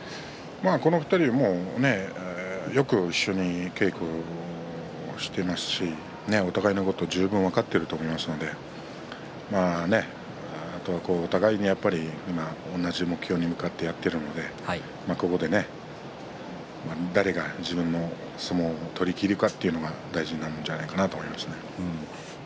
この２人は、よく一緒に稽古もしていますしお互いのことを十分分かっていると思いますのであとは、お互いにやっぱり今、同じ目標に向かってやっているのでここで誰が自分の相撲を取りきるかというのが大事になるんじゃないかなと思いますね。